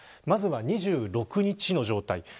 まずは２６日の状態。